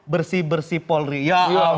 bersih bersih polri ya